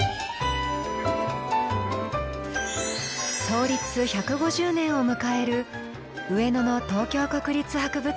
創立１５０年を迎える上野の東京国立博物館トーハク。